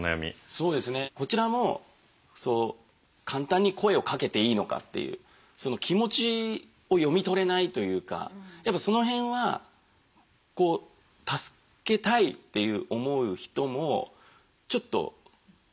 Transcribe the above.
そうですねこちらもそう簡単に声をかけていいのかっていうその気持ちを読み取れないというかやっぱその辺は助けたいって思う人もちょっと不安というか。